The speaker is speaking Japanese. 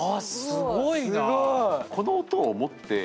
すごい。